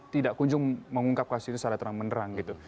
tidak kunjung mengungkap kasus itu secara terang menerang gitu